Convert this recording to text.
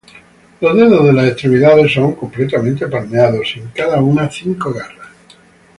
Los dedos de las extremidades son completamente palmeados y en cada una cinco garras.